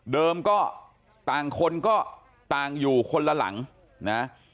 ก็ต่างคนก็ต่างอยู่คนละหลังนะ